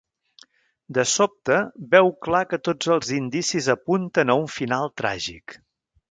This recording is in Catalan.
De sobte, veu clar que tots els indicis apunten a un final tràgic.